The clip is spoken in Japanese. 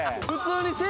普通に。